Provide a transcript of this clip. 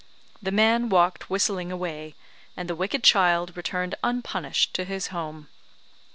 The man walked whistling away, and the wicked child returned unpunished to his home.